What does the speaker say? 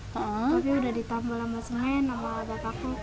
tapi udah ditambah sama senen sama bapakku